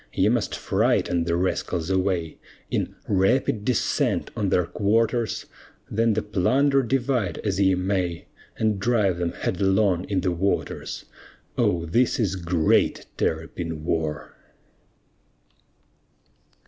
Ye must frighten the rascals away, In "rapid descent" on their quarters; Then the plunder divide as ye may, And drive them headlong in the waters. Oh, this is great Terrapin war!